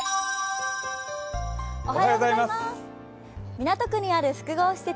港区にある複合施設